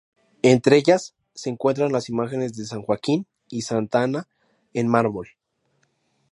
Entre ellas se encuentran las imágenes de San Joaquín y Santa Ana en mármol.